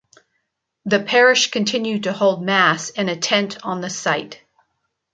The parish continued to hold Mass in a tent on the site.